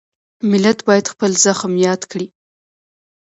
ملت باید خپل زخم یاد کړي.